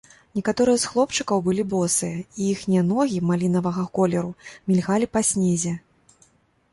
Некаторыя з хлопчыкаў былі босыя, і іхнія ногі малінавага колеру мільгалі па снезе.